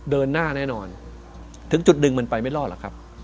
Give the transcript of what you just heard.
เดินหน้าแน่นอนถึงจุดหนึ่งมันไปไม่รอดหรอกครับ